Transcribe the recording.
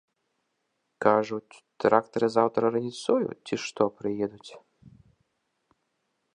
Кажуць, трактары заўтра раніцою, ці што, прыедуць.